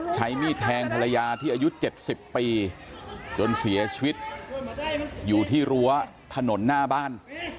ใช้มีดแทงภรรยาที่อายุ๗๐ปีจนเสียชีวิตอยู่ที่รั้วถนนหน้าบ้าน